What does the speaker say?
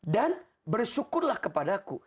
dan bersyukurlah kepada aku